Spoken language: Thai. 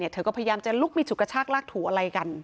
เธอก็พยายามจะลุกมีฉุกกระชากลากถูอะไรกัน